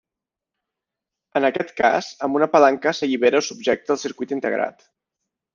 En aquest cas amb una palanca s'allibera o subjecta el circuit integrat.